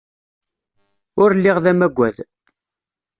Ur lliɣ d amagad.